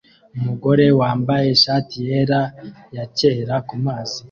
Umugabo wambaye ishati yera yakera kumazi